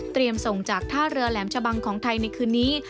ส่งจากท่าเรือแหลมชะบังของไทยในคืนนี้